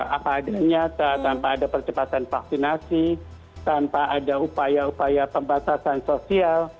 apa ada nyata tanpa ada percepatan vaksinasi tanpa ada upaya upaya pembatasan sosial